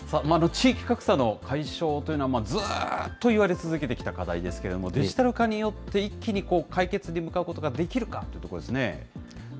地域格差の解消というのは、ずっと言われて続けてきた課題ですけれども、デジタル化によって一気にこう、解決に向かうことができそうですね。